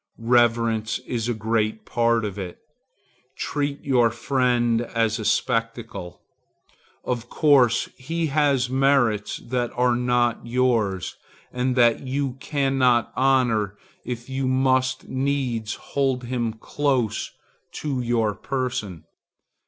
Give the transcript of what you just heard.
Reverence is a great part of it. Treat your friend as a spectacle. Of course he has merits that are not yours, and that you cannot honor if you must needs hold him close to your person.